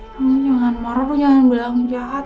kamu jangan marah lu jangan bilang jahat